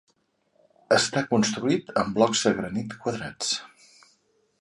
Està construït amb blocs de granit quadrats.